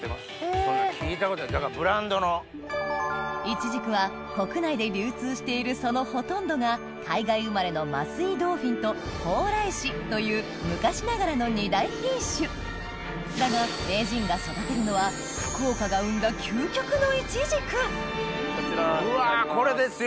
イチジクは国内で流通しているそのほとんどが海外生まれの桝井ドーフィンと蓬莱柿という昔ながらの２大品種だが名人が育てるのはこちらになります。